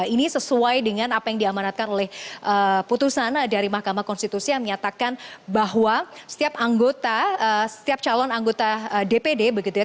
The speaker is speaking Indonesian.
ini sesuai dengan apa yang diamanatkan oleh putusan dari mahkamah konstitusi yang menyatakan bahwa setiap anggota setiap calon anggota dpd begitu ya